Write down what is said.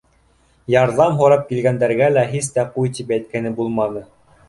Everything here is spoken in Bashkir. Ярҙам һорап килгәндәргә лә һис ҡуй тип әйткәне булманы.